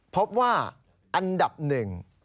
พบว่าอันดับหนึ่ง